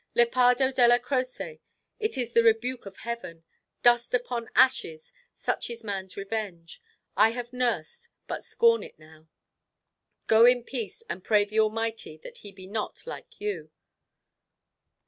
"Lepardo Della Croce, it is the rebuke of heaven. Dust upon ashes; such is man's revenge. I have nursed, but scorn it now. Go in peace, and pray the Almighty that He be not like you.